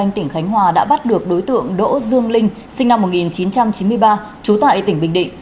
công an tỉnh khánh hòa đã bắt được đối tượng đỗ dương linh sinh năm một nghìn chín trăm chín mươi ba trú tại tỉnh bình định